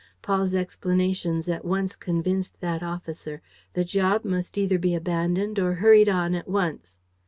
Paul's explanations at once convinced that officer: the job must either be abandoned or hurried on at once.